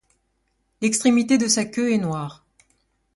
L'extrémité de sa queue est noire.